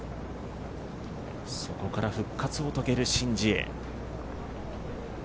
そこから復活を遂げるシン・ジエ。